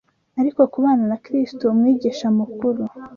ariko kubana na Kristo, Umwigisha Mukuru